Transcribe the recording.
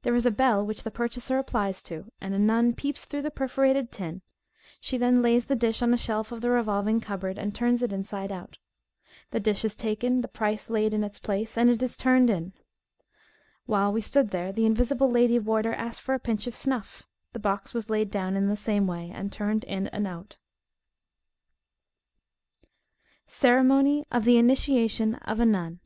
There is a bell which the purchaser applies to, and a nun peeps through the perforated tin; she then lays the dish on a shelf of the revolving cupboard, and turns it inside out; the dish is taken, the price laid in its place, and it is turned in. While we stood there, the invisible lady warder asked for a pinch of snuff; the box was laid down in the same way, and turned in and out. CEREMONY OF THE INITIATION OF A NUN.